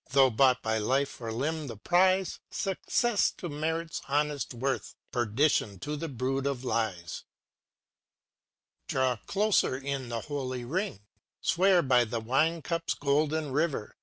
Though bought by life or limb the prize; Success to merit's honest worth; Perdition to the brood of lies! Chorus â Draw closer in the holy ring; Swear by the wine cup's golden river.